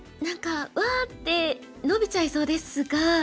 何かわあってノビちゃいそうですが。